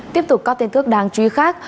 tiếp tục các tin tức đáng truy khác